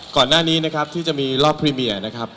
ก่อนหน้านี้นะครับที่จะมีรอบพรีเมียนะครับ